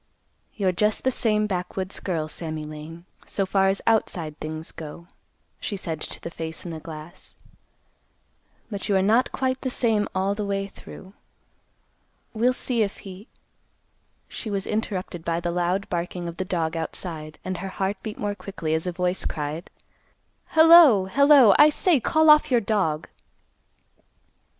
"You're just the same backwoods girl, Sammy Lane, so far as outside things go," she said to the face in the glass; "but you are not quite the same all the way through. We'll see if he—" She was interrupted by the loud barking of the dog outside, and her heart beat more quickly as a voice cried, "Hello, hello, I say; call off your dog!"